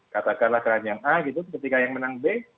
katakanlah keranjang a gitu ketika yang menang b